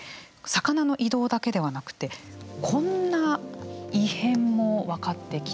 魚の移動だけではなくてこんな異変も分かってきたんです。